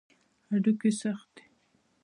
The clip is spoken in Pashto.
هډوکي سخت دي.